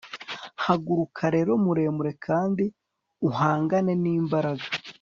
haguruka rero muremure kandi uhangane nimbaraga